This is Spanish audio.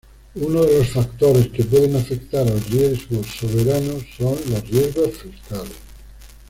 Uno de los factores que pueden afectar el riesgo soberano son los riesgos fiscales.